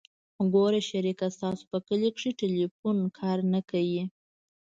ګوره شريکه ستاسو په کلي کښې ټېلفون کار نه کيي.